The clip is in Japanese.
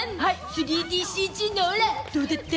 ３ＤＣＧのオラ、どうだった？